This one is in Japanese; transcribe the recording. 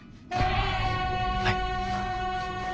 はい。